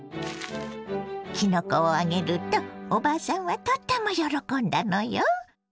きのこをあげるとおばあさんはとっても喜んだのよ。